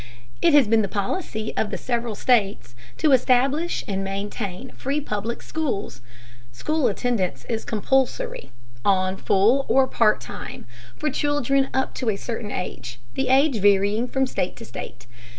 It has been the policy of the several states to establish and maintain free public schools. School attendance is compulsory, on full or part time, for children up to a certain age, the age varying from state to state.